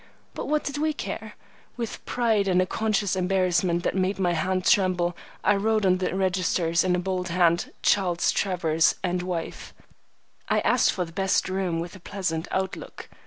But what did we care? With pride and a conscious embarrassment that made my hand tremble, I wrote on the registers in a bold hand "Charles Travers and wife." I asked for the best room with a pleasant out look.